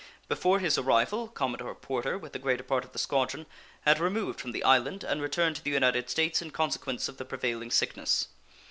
Before his arrival Commodore Porter, with the greater part of the squadron, had removed from the island and returned to the United States in consequence of the prevailing sickness.